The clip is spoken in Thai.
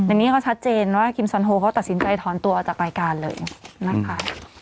อันนี้ก็ชัดเจนว่าคิมซอนโฮเขาตัดสินใจถอนตัวออกจากรายการเลยนะคะ